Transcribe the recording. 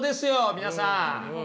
皆さん。